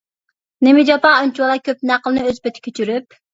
نېمە جاپا ئۇنچىۋالا كۆپ نەقىلنى ئۆز پېتى كۆچۈرۈپ؟ !